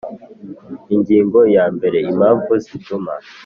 Ingingo ya mbere Impamvu zituma